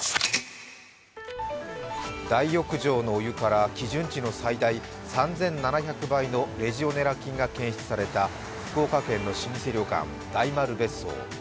大浴場のお湯から基準値の最大３７００倍のレジオネラ菌が検出された福岡県の老舗旅館、大丸別荘。